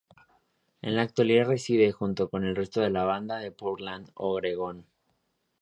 En la actualidad reside, junto con el resto de la banda en Portland, Oregón.